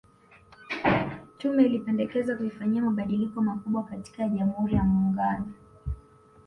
Tume ilipendekeza kuifanyia mabadiliko makubwa katiba ya Jamhuri ya Muungano